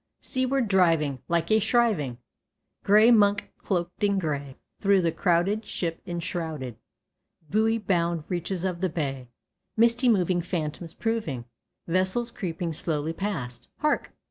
Seaward driving, like a shriving Gray monk cloaked in gray, Thro' the crowded ship enshrouded, Buoy bound reaches of the bay; Misty moving phantoms proving Vessels creeping slowly past. Hark!